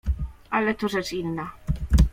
"Ale to rzecz inna."